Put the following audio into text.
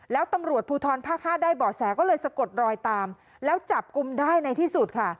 แล้วตำรวจภูทรภาค๕ได้เบาะแสก็เลยสะกดรอยตามแล้วจับกลุ่มได้ในที่สุดค่ะ